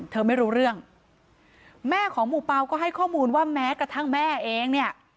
ไม่รู้เรื่องแม่ของหมู่เปล่าก็ให้ข้อมูลว่าแม้กระทั่งแม่เองเนี่ย